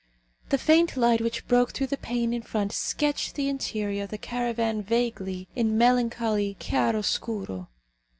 The faint light which broke through the pane in front sketched the interior of the caravan vaguely in melancholy chiaroscuro.